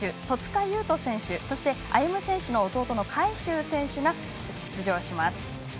戸塚優斗選手そして歩夢選手の弟の海祝選手が出場します。